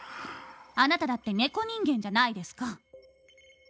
あなただって猫人間じゃないですか。